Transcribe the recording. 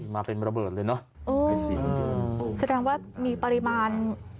มาเป็นระเบิดเลยเนอะเออแสดงว่ามีปริมาณ